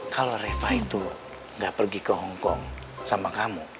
kalau reva itu gak pergi ke hongkong sama kamu